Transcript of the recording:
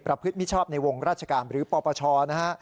พฤติมิชชอบในวงราชการหรือปปชนะฮะ